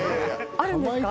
あるんですか？